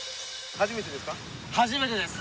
初めてです。